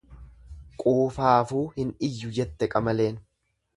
Quufaafuu hin iyyu jette qamaleen.